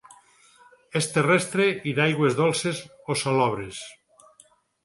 És terrestre i d'aigües dolces o salobres.